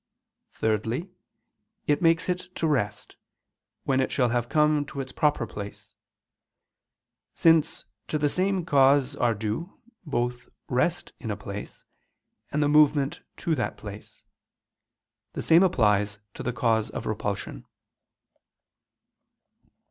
Thirdly, it makes it to rest, when it shall have come to its proper place: since to the same cause are due, both rest in a place, and the movement to that place. The same applies to the cause of repulsion.